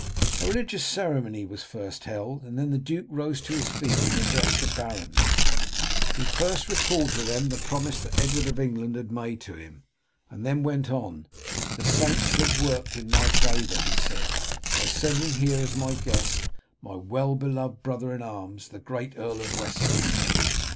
A religious ceremony was first held, and then the duke rose to his feet and addressed the barons. He first recalled to them the promise that Edward of England had made to him, and then went on: "The saints have worked in my favour," he said, "by sending here as my guest my well beloved brother in arms, the great Earl of Wessex.